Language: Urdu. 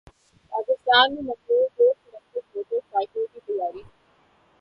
پاکستان میں ماحول دوست الیکٹرک موٹر سائیکلوں کی تیاری